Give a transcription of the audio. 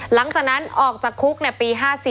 หลังจากนั้นออกจากคุกปี๕๔